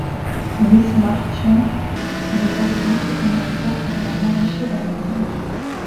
Miss Martian ne parvint cependant pas à lui en arracher davantage.